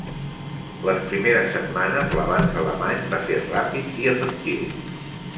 Les primeres setmanes l'avanç alemany va ser ràpid i efectiu.